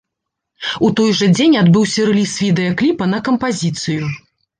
У той жа дзень адбыўся рэліз відэакліпа на кампазіцыю.